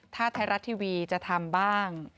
ถ้าไทยรัฐทีวีจะทำบ้าง